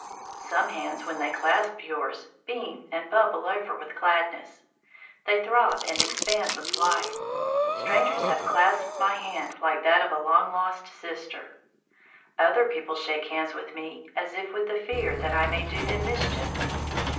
Some hands, when they clasp yours, beam and bubble over with gladness. They throb and expand with life. Strangers have clasped my hand like that of a long lost sister. Other people shake hands with me as if with the fear that I may do them mischief.